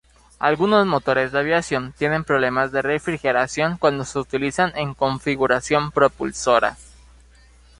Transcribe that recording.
Algunos motores de aviación tienen problemas de refrigeración cuando se utilizan en configuración propulsora.